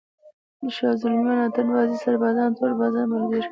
شازِلْمیان، اتڼ باز، سربازان، توره بازان ملګري!